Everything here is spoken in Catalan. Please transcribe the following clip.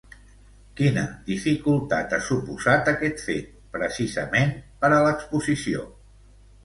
Quina dificultat ha suposat aquest fet, precisament, per a l'exposició?